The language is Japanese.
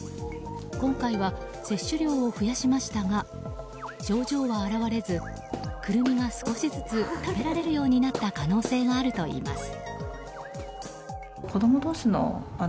今回は摂取量を増やしましたが症状は現れずクルミが少しずつ食べられるようになった可能性があるといいます。